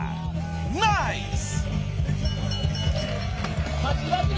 ［ナイス！］